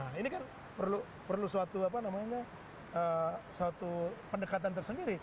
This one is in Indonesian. nah ini kan perlu suatu pendekatan tersendiri